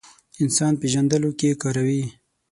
انسان پېژندلو کې کاروي.